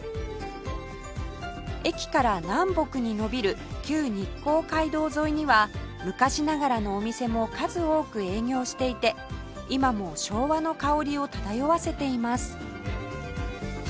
駅から南北に延びる旧日光街道沿いには昔ながらのお店も数多く営業していて今も昭和の香りを漂わせています